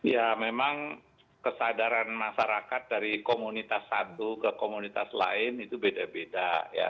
ya memang kesadaran masyarakat dari komunitas satu ke komunitas lain itu beda beda ya